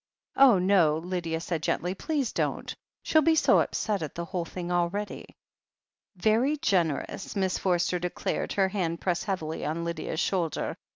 "Oh, no," said Lydia gently. "Please don't. She'll be so upset at the whole thing already." "Very generous 1" Miss Forster declared, her hand pressed heavily on Lydia's shoulder.